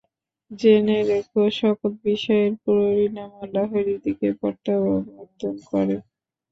জেনে রেখ, সকল বিষয়ের পরিণাম আল্লাহরই দিকে প্রত্যাবর্তন করে।